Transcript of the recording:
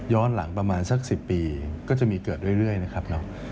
หลังประมาณสัก๑๐ปีก็จะมีเกิดเรื่อยนะครับเรา